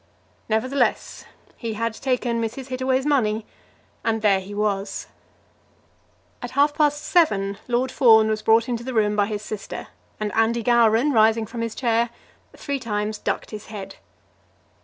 Nevertheless he had taken Mrs. Hittaway's money and there he was. At half past seven Lord Fawn was brought into the room by his sister, and Andy Gowran, rising from his chair, three times ducked his head.